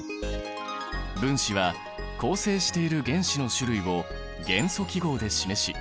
分子は構成している原子の種類を元素記号で示し